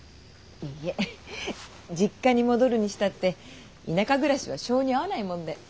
いいえ実家に戻るにしたって田舎暮らしは性に合わないもんで。